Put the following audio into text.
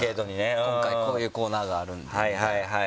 今回こういうコーナーがあるんでみたいな。